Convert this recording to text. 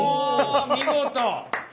見事！